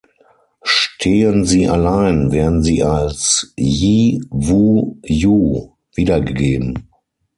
Stehen sie allein, werden sie als "yi", "wu", "yu" wiedergegeben.